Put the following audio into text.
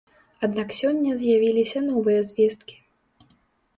Аднак сёння з'явіліся новыя звесткі.